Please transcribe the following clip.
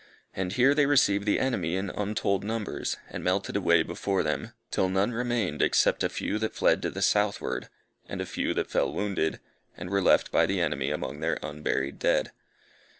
And here they received the enemy in untold numbers, and melted away before them, till none remained except a few that fled to the southward, and a few that fell wounded, and were left by the enemy among the unburied dead.